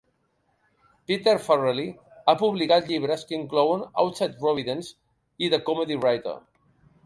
Peter Farrelly ha publicat llibres que inclouen "Outside Providence" i "The Comedy Writer".